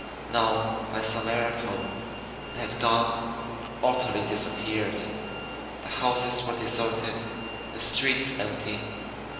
Now by some miracle they had gone, utterly disappeared. The houses were deserted, the streets empty.